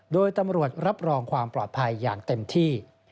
โดยตำรวจรับรองความปลอดภัยอย่างเต็มที่